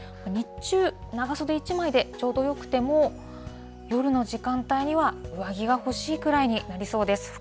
日中、長袖１枚でちょうどよくても、夜の時間帯には、上着が欲しいくらいになりそうです。